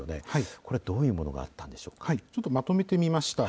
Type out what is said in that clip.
これ、どういうものがあったんでちょっとまとめてました。